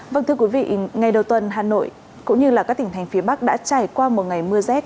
vâng thưa quý vị ngày đầu tuần hà nội cũng như các tỉnh thành phía bắc đã trải qua một ngày mưa rét